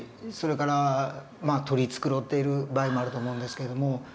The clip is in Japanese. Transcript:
それから取り繕っている場合もあると思うんですけれども。